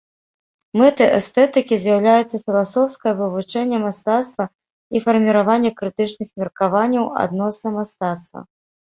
Мэтай эстэтыкі з'яўляецца філасофскае вывучэнне мастацтва і фарміраванне крытычных меркаванняў адносна мастацтва.